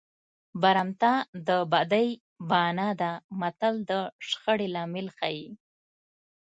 برمته د بدۍ بانه ده متل د شخړې لامل ښيي